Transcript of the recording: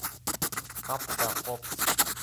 Ҡап та ҡоп!